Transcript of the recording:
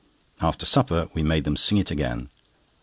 After supper we made them sing it again.